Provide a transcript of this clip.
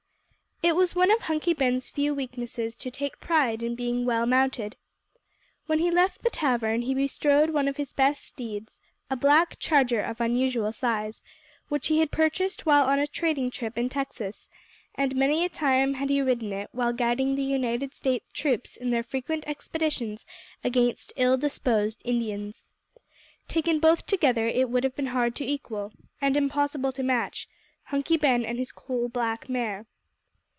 It was one of Hunky Ben's few weaknesses to take pride in being well mounted. When he left the tavern he bestrode one of his best steeds a black charger of unusual size, which he had purchased while on a trading trip in Texas and many a time had he ridden it while guiding the United States troops in their frequent expeditions against ill disposed Indians. Taken both together it would have been hard to equal, and impossible to match, Hunky Ben and his coal black mare.